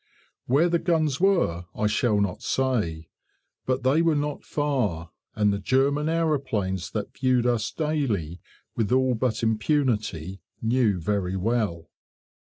Where the guns were I shall not say; but they were not far, and the German aeroplanes that viewed us daily with all but impunity knew very well.